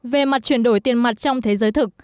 về mặt chuyển đổi tiền mặt trong thế giới thực